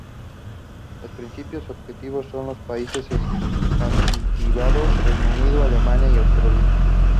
Los principales objetivos son los países escandinavos, Reino Unido, Alemania y Austria.